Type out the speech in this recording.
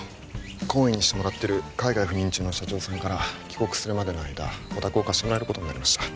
懇意にしてもらってる海外赴任中の社長さんから帰国するまでの間お宅を貸してもらえることになりました